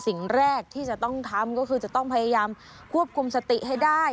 สิ่งแรกที่จะต้องทำก็คือจะต้องพยายามควบคุมสติให้ได้